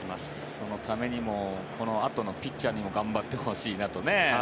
そのためにもこのあとのピッチャーにも頑張ってほしいなと。